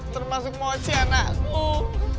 termasuk mochi anakku